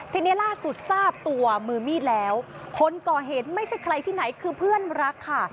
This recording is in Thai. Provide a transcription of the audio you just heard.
ทีนี้ล่าสุดทราบตัวมือมีดแล้วคนก่อเหตุไม่ใช่ใครที่ไหนคือเพื่อนรักค่ะ